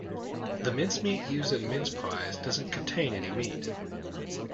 The mincemeat used in mince pies doesn't contain any meat